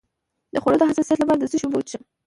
د خوړو د حساسیت لپاره د څه شي اوبه وڅښم؟